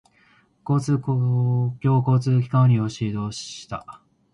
公共交通機関を利用して移動した。